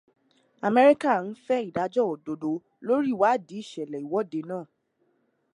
Amẹríkà ń fẹ́ ìdájọ́ òdodo lórí ìwàdìí ìṣẹ̀lẹ̀ ìwọ́de náà.